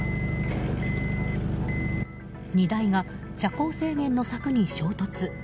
荷台が車高制限の柵に衝突。